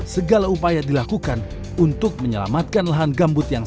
segala upaya dilakukan untuk menyelamatkan lahan gambut di negara ini